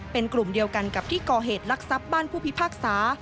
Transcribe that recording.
เป็นกลุ่มเดียวกันกับที่ก่อเหตุลักษัพบ้านผู้พิพากษา